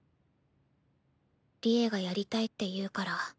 利恵がやりたいって言うから。